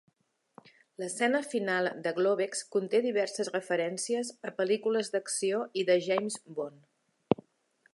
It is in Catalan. L'escena final de Globex conté diverses referències a pel·lícules d'acció i de James Bond.